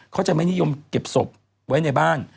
เขาจะไม่นิยมเก็บศพไว้ในบ้าน